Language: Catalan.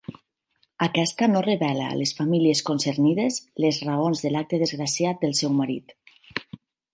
Aquesta no revela a les famílies concernides les raons de l'acte desgraciat del seu marit.